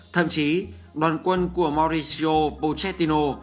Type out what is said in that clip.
thậm chí đoàn quân của mauricio pochettino